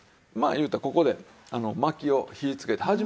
まあ言うたらここでまきを火つけて。